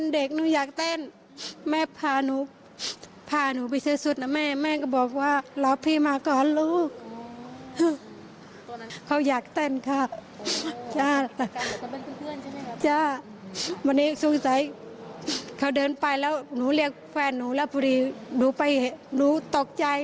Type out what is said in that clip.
เดินไปแล้วหนูเรียกแฟนหนูแล้วหนูตกใจ